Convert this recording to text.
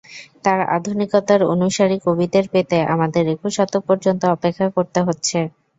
তাঁর আধুনিকতার অনুসারী কবিদের পেতে আমাদের একুশ শতক পর্যন্ত অপেক্ষা করতে হচ্ছে।